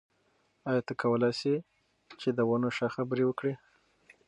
آیا ته کولای شې چې د ونو شاخه بري وکړې؟